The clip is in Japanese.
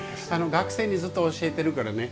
学生にずっと教えてるからね。